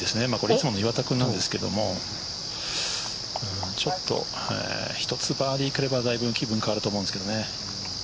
いつもの岩田君なんですけどちょっと１つバーディー来ればだいぶ気分が変わるんですけどね。